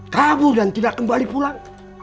kabur dan tidak kembali pulang